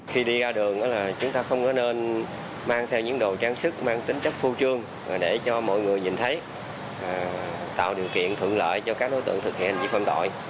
khi đi ra đường là chúng ta không có nên mang theo những đồ trang sức mang tính chất phô trương để cho mọi người nhìn thấy tạo điều kiện thuận lợi cho các đối tượng thực hiện hành vi phạm tội